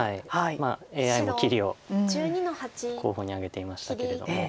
ＡＩも切りを候補に挙げていましたけれども。